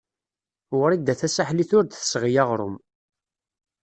Wrida Tasaḥlit ur d-tesɣi aɣrum.